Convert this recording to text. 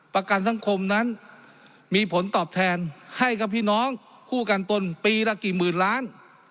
ประกันสังคมนั้นมีผลตอบแทนให้กับพี่น้องคู่กันตนปีละกี่หมื่นล้าน